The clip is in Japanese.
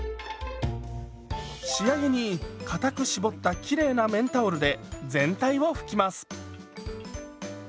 仕上げにかたく絞ったきれいな綿タオルで全体を拭きます。